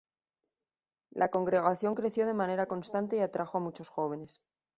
La congregación creció de manera constante y atrajo a muchos jóvenes.